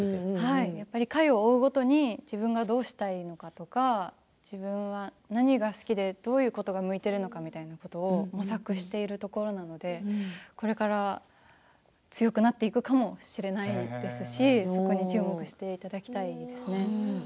回を追うごとに自分がどうしたいのかとか何が好きで、どういうことが向いているのか模索しているところなのでこれから強くなっていくかもしれないですし注目していただきたいですね。